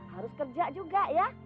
harus kerja juga ya